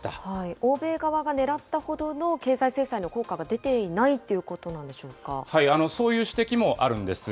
欧米側がねらったほどの経済制裁の効果が出ていないというこそういう指摘もあるんです。